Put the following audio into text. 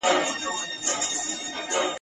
د ګډون کولو بلنه راکړه ..